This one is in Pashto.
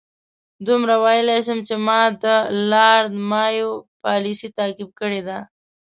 دومره ویلای شم چې ما د لارډ مایو پالیسي تعقیب کړې ده.